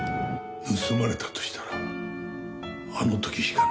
盗まれたとしたらあの時しかない。